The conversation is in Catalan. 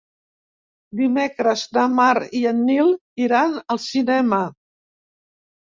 Dimecres na Mar i en Nil iran al cinema.